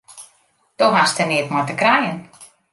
Do hast der neat mei te krijen!